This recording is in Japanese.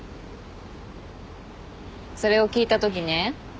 それを聞いたときね